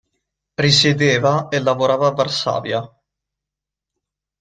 Risiedeva e lavorava a Varsavia.